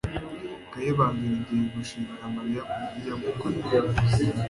Kayibanda yongeye gushimira Mariya kubyo yamukoreye.